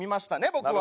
僕は。